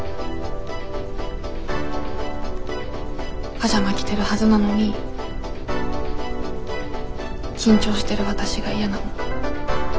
パジャマ着てるはずなのに緊張してるわたしが嫌なの。